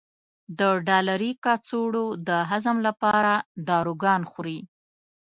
د ډالري کڅوړو د هضم لپاره داروګان خوري.